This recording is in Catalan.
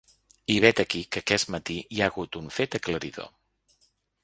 I vet aquí que aquest matí hi ha hagut un fet aclaridor.